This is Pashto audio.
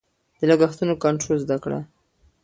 د لګښتونو کنټرول زده کړه.